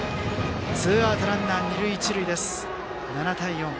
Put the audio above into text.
ツーアウトランナー、二塁一塁です。